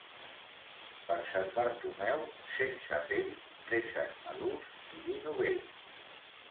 Per Sant Bartomeu, sense pell, préssecs madurs i vi novell.